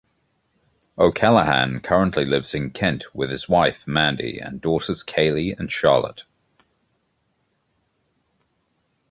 O'Callaghan currently lives in Kent with his wife Mandy and daughters Kayley and Charlotte.